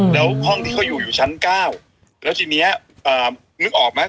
แล้วที่เขาอยู่อยู่ชั้นเก้าแล้วทีนี้เอ่อนึกออกมั้ย